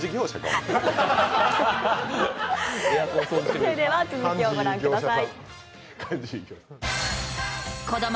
それでは、続きを御覧ください。